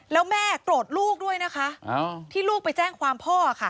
แล้วแม่โกรธลูกด้วยนะคะที่ลูกไปแจ้งความพ่อค่ะ